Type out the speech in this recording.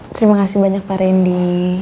terima kasih banyak pak randy